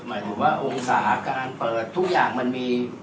หมายถึงว่าองศาการเปิดทุกอย่างมันมี